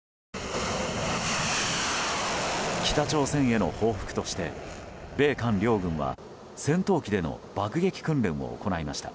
北朝鮮への報復として米韓両軍は戦闘機での爆撃訓練を行いました。